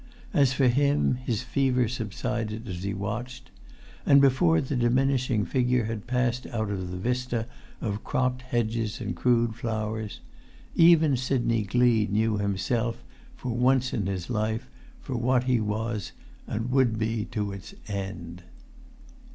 As for him, his fever subsided as he watched; and, before the diminishing figure had passed out of the vista of cropped hedges and crude flowers, even Sidney Gleed knew himself, for once in his life, for what he was and would be to its end.